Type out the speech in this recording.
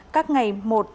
các ngày một hai ba